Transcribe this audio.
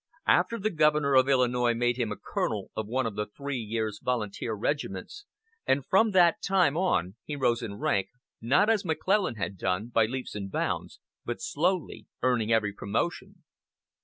Afterward the Governor of Illinois made him a colonel of one of the three years' volunteer regiments; and from that time on he rose in rank, not as McClellan had done, by leaps and bounds, but slowly, earning every promotion.